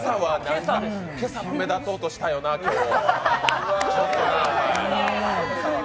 今朝、目立とうとしたよな、今日。